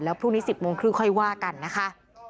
แล้วพรุ่งนี้๑๐นค่อยว่ากันนะคะ